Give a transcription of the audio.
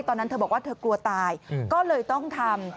ตอนนั้นเธอบอกว่าเธอกลัวตายก็เลยต้องทำ